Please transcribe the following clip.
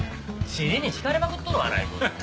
尻に敷かれまくっとるわな郁夫さん。